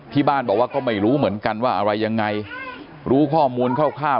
ที่บ้านบอกว่าก็ไม่รู้เหมือนกันว่าอะไรยังไงรู้ข้อมูลคร่าว